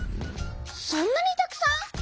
そんなにたくさん！